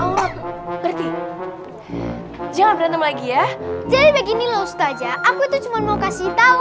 allah tuh berarti jangan berantem lagi ya jadi begini loh ustazah aku itu cuma mau kasih tahu